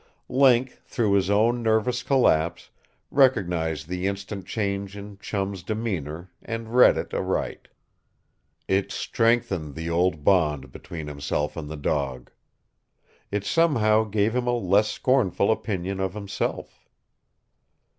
Link, through his own nervous collapse, recognized the instant change in Chum's demeanor, and read it aright. It strengthened the old bond between himself and the dog. It somehow gave him a less scornful opinion of himself.